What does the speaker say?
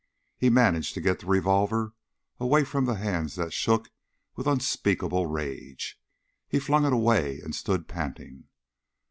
He managed to get the revolver away from the hands that shook with unspeakable rage. He flung it away and stood panting.